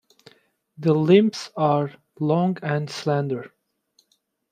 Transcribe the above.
The limbs are long and slender.